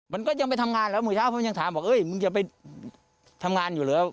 มันก็ยังไปทำงานแล้วมือเช้าผมยังถามบอกเอ้ยมึงจะไปทำงานอยู่แล้ว